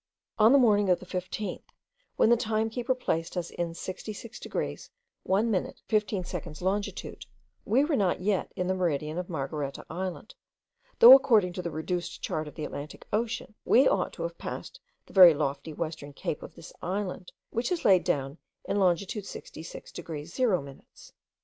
On the morning of the 15th, when the time keeper placed us in 66 degrees 1 minute 15 seconds longitude, we were not yet in the meridian of Margareta island; though according to the reduced chart of the Atlantic ocean, we ought to have passed the very lofty western cape of this island, which is laid down in longitude 66 degrees 0 minutes.